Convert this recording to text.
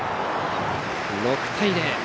６対０。